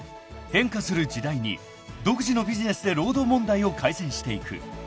［変化する時代に独自のビジネスで労働問題を改善していく］